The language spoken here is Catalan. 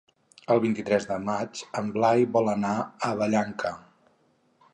El vint-i-tres de maig en Blai vol anar a Vallanca.